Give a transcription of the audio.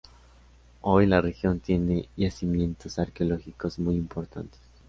Hoy la región tiene yacimientos arqueológicos muy importantes.